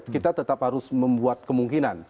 kita tetap harus membuat kemungkinan